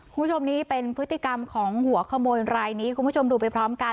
คุณผู้ชมนี้เป็นพฤติกรรมของหัวขโมยรายนี้คุณผู้ชมดูไปพร้อมกัน